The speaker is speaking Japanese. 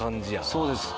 そうです。